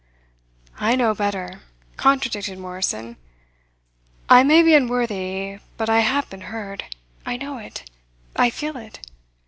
"I know better," contradicted Morrison. "I may be unworthy, but I have been heard. I know it. I feel it.